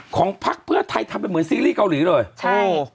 พักเพื่อไทยทำเป็นเหมือนซีรีส์เกาหลีเลยใช่